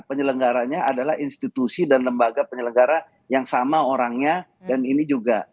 penyelenggaranya adalah institusi dan lembaga penyelenggara yang sama orangnya dan ini juga